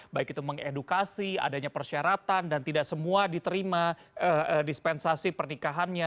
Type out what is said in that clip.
baik itu mengedukasi adanya persyaratan dan tidak semua diterima dispensasi pernikahannya